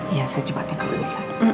ya secepatnya kalau bisa